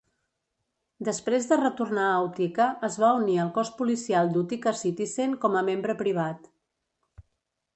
Després de retornar a Utica, es va unir al cos policial d"Utica Citizen com a membre privat.